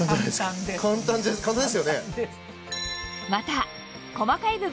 簡単ですよね。